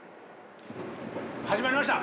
始まりました。